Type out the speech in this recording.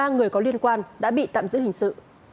một mươi ba người có liên quan đã bị tạm giữ hình sự